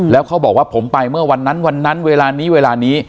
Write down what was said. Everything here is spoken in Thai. แล้วเขาบอกว่าผมไปเมื่อวันนั้นวันนั้นเวลานี้เวลานี้